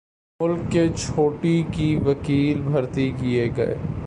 ملک کے چوٹی کے وکیل بھرتی کیے گئے۔